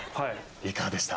いかがでした？